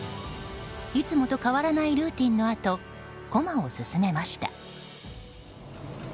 いつもと変わらないルーティンのあと駒を進めました。